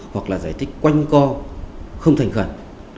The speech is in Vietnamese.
hoặc là giải thích quanh co không thành khẩn